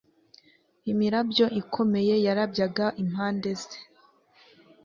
Imirabyo ikomeye yarabyaga impande ze.